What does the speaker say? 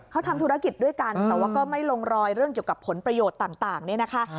เขาทำธุรกิจด้วยกันแต่ว่าก็ไม่ลงรอยเรื่องเกี่ยวกับผลประโยชน์ต่างเนี่ยนะคะ